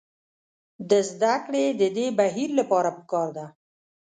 د زدکړې د دې بهیر لپاره پکار ده.